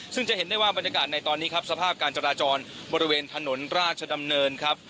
ซึ่งจะเห็นได้ว่าบรรยากาศในตอนนี้ครับสภาพการจราจรบริเวณถนนราชดำเนินครับ